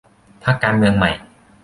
พรรคการเมืองใหม่